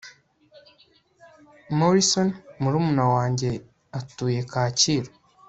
morrison, murumuna wanjye atuye kacyiru